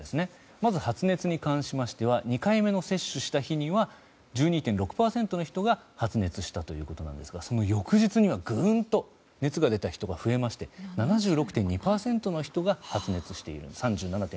まず発熱に関しましては２回目の接種をした日には１２．６％の人が発熱したということなんですがその翌日にはぐんと熱が出た人が増えまして７６．２％の人が発熱している。